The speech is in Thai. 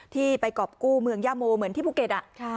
ที่ไปกรอบกู้เมืองย่าโมเหมือนที่ภูเก็ต